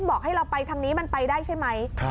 บอกให้เราไปทางนี้มันไปได้ใช่ไหม